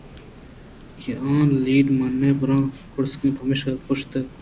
کہ آ لیڈمن ءِبُن کُڑاسگے ءَپمیشا کُشتگ